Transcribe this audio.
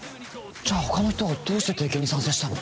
じゃ他の人はどうして提携に賛成したの？